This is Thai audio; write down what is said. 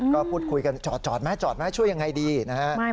ก็พูดคุยกันจอดแม่ช่วยยังไงดีนะครับ